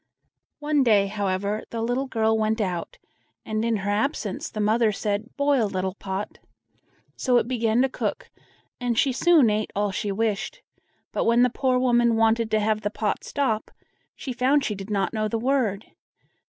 One day, however, the little girl went out, and in her absence the mother said: "Boil, little pot!" So it began to cook, and she soon ate all she wished; but when the poor woman wanted to have the pot stop, she found she did not know the word.